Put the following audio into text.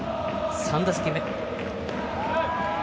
３打席目。